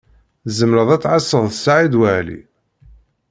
Tzemṛeḍ ad tɛasseḍ Saɛid Waɛli?